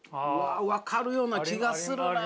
分かるような気がするな。